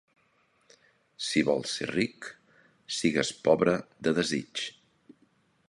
Si vols ser ric, sigues pobre de desig.